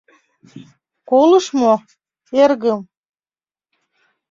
— Колыш мо, эргым?